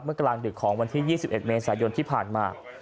เมื่อกลางดึกของวันที่ยี่สิบเอ็ดเมษายนที่ผ่านมา